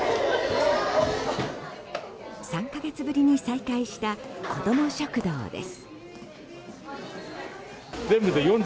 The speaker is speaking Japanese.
３か月ぶりに再開したこども食堂です。